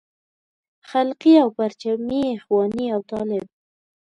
خلقي او پرچمي اخواني او طالب.